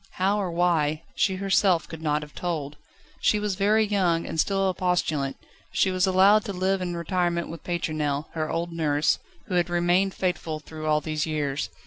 How or why, she herself could not have told. She was very young, and still a postulant; she was allowed to live in retirement with Pétronelle, her old nurse, who had remained faithful through all these years.